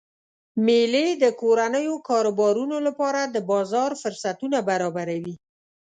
میلې د کورنیو کاروبارونو لپاره د بازار فرصتونه برابروي.